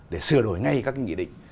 để sửa đổi ngay các nghị định